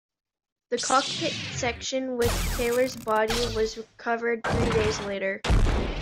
The cockpit section with Taylor's body was recovered three days later.